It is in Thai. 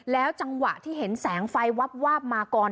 จังหวะที่เห็นแสงไฟวับวาบมาก่อน